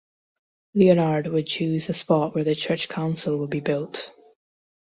Leonard would choose the spot where the church council would be built.